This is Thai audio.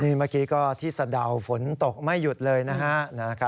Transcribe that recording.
เมื่อกี้ก็ที่สะดาวฝนตกไม่หยุดเลยนะฮะ